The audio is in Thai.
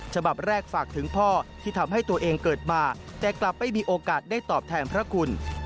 ฉบับแรกฝากถึงพ่อที่ทำให้ตัวเองเกิดมาแต่กลับไม่มีโอกาสได้ตอบแทนพระคุณ